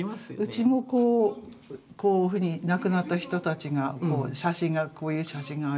うちもこういうふうに亡くなった人たちが写真がこういう写真がありました。